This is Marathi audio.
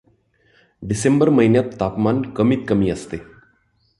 डिसेंबर महिन्यात तापमान कमीतकमी असते.